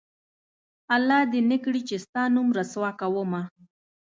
الله دې نه کړي چې ستا نوم رسوا کومه